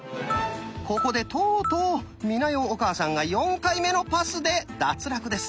ここでとうとう美奈代お母さんが４回目のパスで脱落です。